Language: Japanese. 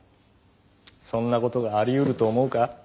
そんなことがありうると思うか？